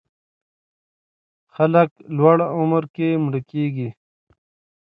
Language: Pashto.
خلک لوړ عمر کې مړه کېږي.